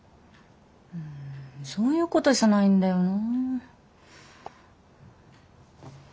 うんそういうことじゃないんだよな。